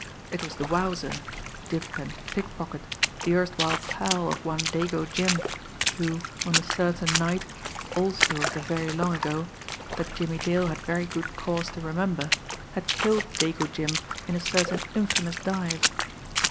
It was the Wowzer, dip and pick pocket, the erstwhile pal of one Dago Jim, who, on a certain night, also of the very long ago, that Jimmie Dale had very good cause to remember, had killed Dago Jim in a certain infamous dive.